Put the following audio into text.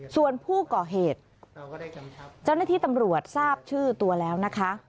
ส่วนผู้ก่อเหตุเจ้าหน้าที่ตำรวจทราบชื่อตัวแล้วนะคะ